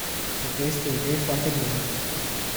Cred că este o idee foarte bună.